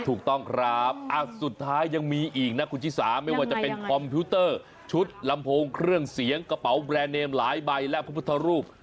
ถูกต้องครับสุดท้ายยังมีอีกนะคุณชิสาไม่ว่าจะเป็นคอมพิวเตอร์ชุดลำโพงเครื่องเสียงกระเป๋าแบรนด์เนมหลายใบและพระพุทธรูป